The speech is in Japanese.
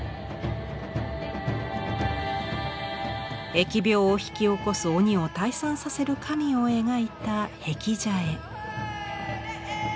疫病を引き起こす鬼を退散させる神を描いた「辟邪絵」。